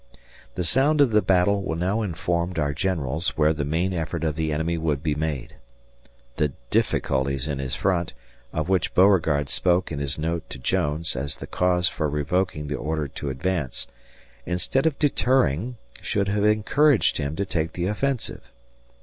The sound of the battle now informed our generals where the main effort of the enemy would be made. The "difficulties" in his front, of which Beauregard spoke in his note to Jones as the cause for revoking the order to advance, instead of deterring should have encouraged him to take the offensive.